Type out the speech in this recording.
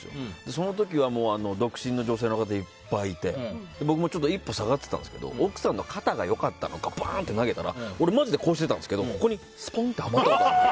その時は独身の女性の方いっぱいいて僕も一歩下がってたんですけど奥さんの肩が良かったのかバーンって投げたら俺、マジでこうしてたんですけどここにスポンとはまったことある。